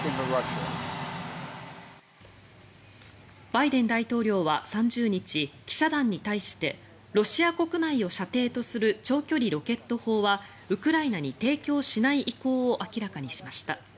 バイデン大統領は３０日記者団に対してロシア国内を射程とする長距離ロケット砲はウクライナに提供しない意向を明らかにしました。